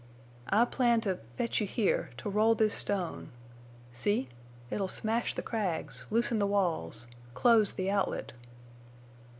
"I planned to—fetch you here—to roll this stone. See! It'll smash the crags—loosen the walls—close the outlet!"